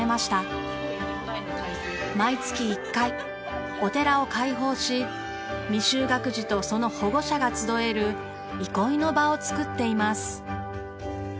毎月１回お寺を開放し未就学児とその保護者が集える憩いの場を作っています。